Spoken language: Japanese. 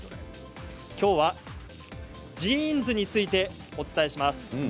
きょうはジーンズについてお伝えします。